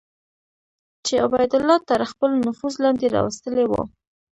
چې عبیدالله تر خپل نفوذ لاندې راوستلي وو.